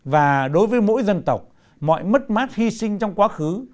và đối với mỗi dân tộc mọi mất mát hy sinh trong quá khứ